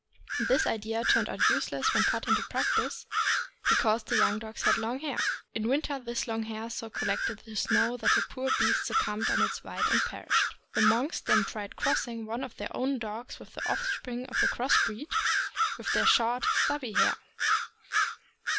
This idea turned out useless when put in practice, because the young dogs had long hair. In winter this long hair so collected the snow that the poor beasts succumbed under its weight and perished. The monks then tried crossing one of their own dogs with the offspring of the cross breed, with their short, stubby hair.